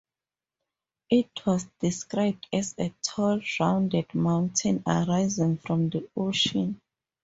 It was described as a tall, rounded mountain arising from the ocean.